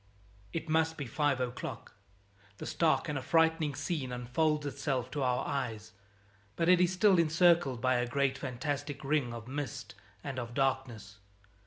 It must be five o'clock. The stark and affrighting scene unfolds itself to our eyes, but it is still encircled by a great fantastic ring of mist and of darkness.